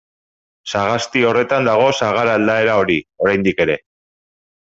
Sagasti horretan dago sagar aldaera hori, oraindik ere.